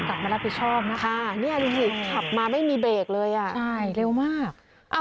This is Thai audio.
กลับมารับผิดชอบนะคะเนี่ยดูสิขับมาไม่มีเบรกเลยอ่ะใช่เร็วมาก